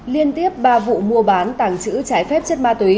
liên tiếp ba vụ mua bán tàng trữ trái phép chất ma túy